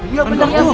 iya bener tuh